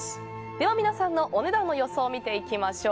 では皆さんのお値段の予想見ていきましょう。